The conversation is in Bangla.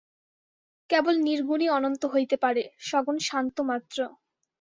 কেবল নির্গুণই অনন্ত হইতে পারে, সগুণ সান্ত মাত্র।